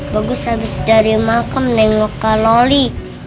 bagus abis dari makan menengok kaloli